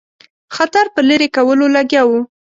خطر په لیري کولو لګیا وو.